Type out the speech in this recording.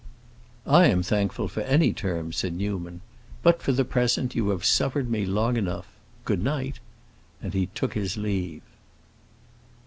"I am thankful for any terms," said Newman. "But, for the present, you have suffered me long enough. Good night!" And he took his leave.